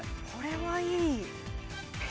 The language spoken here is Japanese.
これはいい！